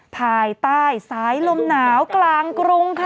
ภายใต้สายลมหนาวกลางกรุงค่ะ